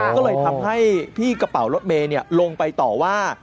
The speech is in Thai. ก็เลยทำให้พี่กระเป๋ารถเมย์ลงไปต่อว่า